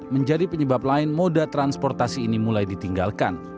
menjadi penyebab lain moda transportasi ini mulai ditinggalkan